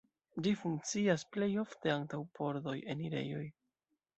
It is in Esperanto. Ĝi funkcias plej ofte antaŭ pordoj, enirejoj.